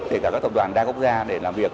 để cả các tổng đoàn đa quốc gia để làm việc